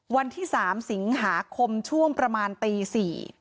วันที่๓สิงหาคมช่วงประมาณตี๔